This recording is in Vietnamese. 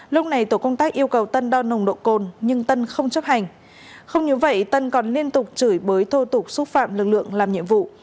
lúc này tổ công tác yêu cầu tân đo nồng độ cồn nhưng tân không chấp hành không như vậy tân còn liên tục chửi bới thô tục xúc phạm lực lượng làm nhiệm vụ